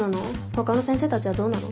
ほかの先生たちはどうなの？